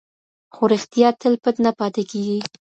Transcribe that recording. خو رښتیا تل پټ نه پاتې کېږي.